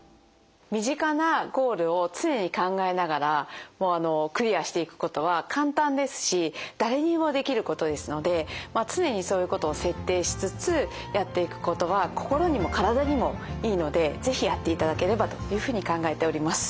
身近なゴールを常に考えながらクリアしていくことは簡単ですし誰にでもできることですので常にそういうことを設定しつつやっていくことは心にも体にもいいので是非やっていただければというふうに考えております。